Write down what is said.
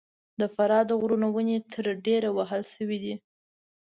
د فراه د غرونو ونې تر ډېره وهل سوي دي.